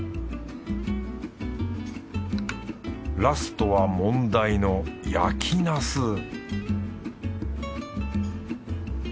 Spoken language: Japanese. ラストは問題の焼きナス